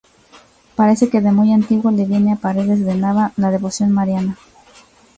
Parece que de muy antiguo le viene a Paredes de Nava la devoción mariana.